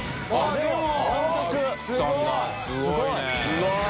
すごい！